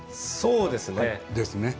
そうですね。